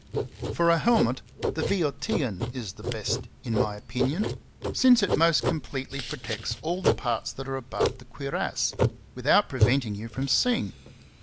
For a helmet the Boeotian ^' is the best, in my opinion, since it most completely protects all the parts that are above the cuirass, without preventing you from seeing.